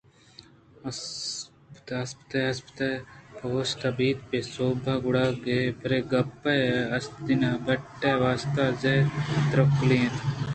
اسپیت اسپیتءَ پیوست بیت بے سوب گُراگے پرے گپّءَاِسپیتیں بَٹ ئےءِواستہ زہرءَترکگّی اَت